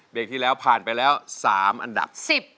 เด็กที่แล้วผ่านไปแล้ว๓อันดับ๑๐